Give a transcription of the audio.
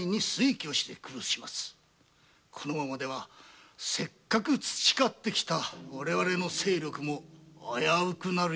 このままではせっかく培ってきた我々の力も危うくなりましょう。